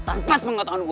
tanpa pengatuhan gue